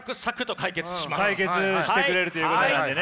解決してくれるということなんでね。